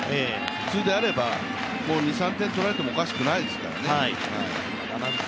普通であればもう２３点取られてもおかしくないですからね。